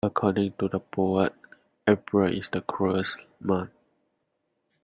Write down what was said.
According to the poet, April is the cruellest month